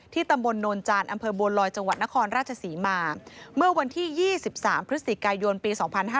ตำบลโนนจานอำเภอบัวลอยจังหวัดนครราชศรีมาเมื่อวันที่๒๓พฤศจิกายนปี๒๕๕๙